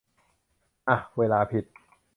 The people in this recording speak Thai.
อ่ะ เวลาผิด